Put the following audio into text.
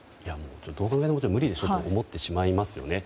どう考えても無理と思ってしまいますよね。